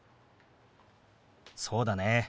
そうだね。